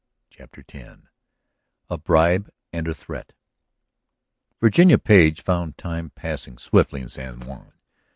CHAPTER X A BRIBE AND A THREAT Virginia Page found time passing swiftly in San Juan.